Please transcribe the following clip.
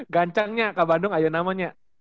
ganjangnya kak bandung aja namanya